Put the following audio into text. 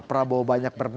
prabowo banyak bernostab